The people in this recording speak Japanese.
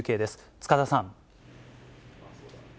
塚田さん。